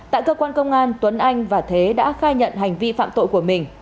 tại cơ quan công an tuấn anh và thế đã khai nhận hành vi phạm tội của mình